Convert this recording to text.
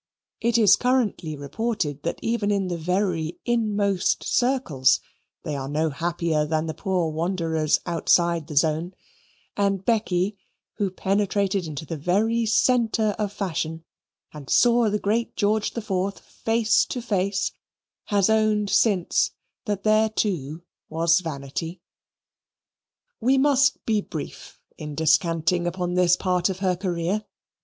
It is currently reported that even in the very inmost circles, they are no happier than the poor wanderers outside the zone; and Becky, who penetrated into the very centre of fashion and saw the great George IV face to face, has owned since that there too was Vanity. We must be brief in descanting upon this part of her career.